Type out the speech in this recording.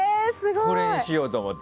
これにしようと思って。